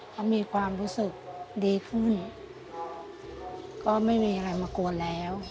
เขามีความรู้สึกดีขึ้นก็ไม่มีอะไรมากวนแล้ว